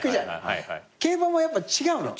競馬もやっぱ違うの？